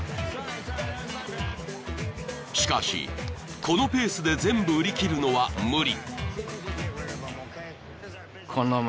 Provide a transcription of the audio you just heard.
［しかしこのペースで全部売り切るのは無理］